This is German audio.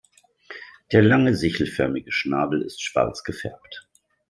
Der lange sichelförmige Schnabel ist schwarz gefärbt.